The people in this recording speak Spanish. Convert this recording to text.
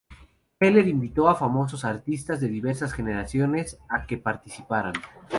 Heller invitó a famosos artistas de diversas generaciones a que participaran.